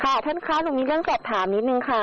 ท่านคะหนูมีเรื่องสอบถามนิดนึงค่ะ